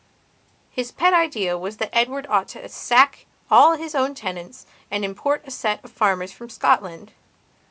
His pet idea was that Edward ought to sack all his own tenants and import a set of farmers from Scotland.